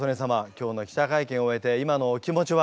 今日の記者会見を終えて今のお気持ちは？